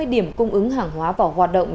ba mươi điểm cung ứng hàng hóa vào hoạt động